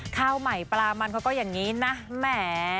ข้าวใหม่ปลามันเขาก็อย่างนี้นะแหม